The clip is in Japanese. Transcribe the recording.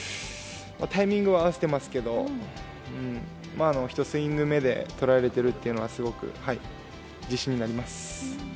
タイミングは合わせてますけど１スイング目で捉えられているというのはすごく自信になります。